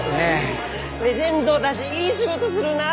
レジェンドだぢいい仕事するなあ！